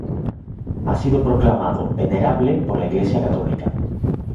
Ha sido proclamado venerable por la Iglesia católica.